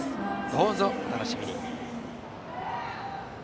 どうぞお楽しみに。